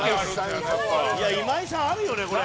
いや今井さんあるよねこれ。